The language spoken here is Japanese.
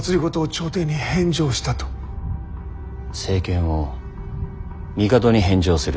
政権を帝に返上する。